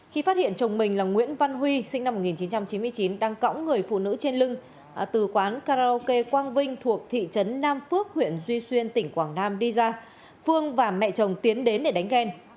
khi phát hiện chồng mình là nguyễn văn huy sinh năm một nghìn chín trăm chín mươi chín đang cõng người phụ nữ trên lưng từ quán karaoke quang vinh thuộc thị trấn nam phước huyện duy xuyên tỉnh quảng nam đi ra phương và mẹ chồng tiến đến để đánh ghen